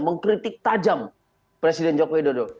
mengkritik tajam presiden jokowi dodo